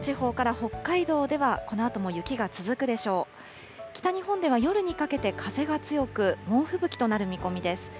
北日本では夜にかけて風が強く、猛吹雪となる見込みです。